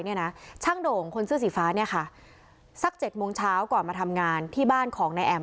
เนี่ยนะช่างโด่งคนเสื้อสีฟ้าเนี่ยค่ะสัก๗โมงเช้าก่อนมาทำงานที่บ้านของนายแอม